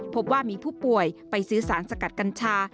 พบว่ามีผู้ป่วยไปซื้อสารสกัดกัญชา